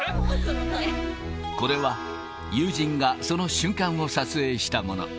これは、友人がその瞬間を撮影したもの。